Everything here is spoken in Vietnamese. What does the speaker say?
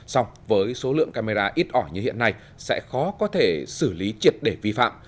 xong với số lượng camera ít ỏi như hiện nay sẽ khó có thể xử lý triệt để vi phạm